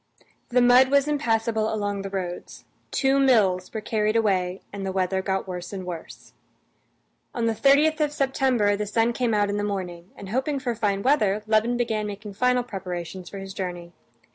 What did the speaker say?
The mud was impassable along the roads; two mills were carried away, and the weather got worse and worse. On the 30th of September the sun came out in the morning, and hoping for fine weather, Levin began making final preparations for his journey.